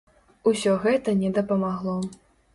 Усё гэта не дапамагло.